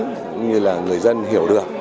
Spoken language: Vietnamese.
cũng như là người dân hiểu được